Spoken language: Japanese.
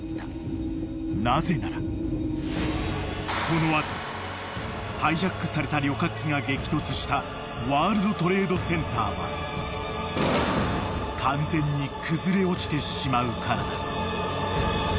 ［なぜならこの後ハイジャックされた旅客機が激突したワールドトレードセンターは完全に崩れ落ちてしまうからだ］